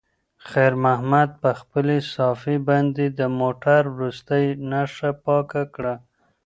خیر محمد په خپلې صافې باندې د موټر وروستۍ نښه پاکه کړه.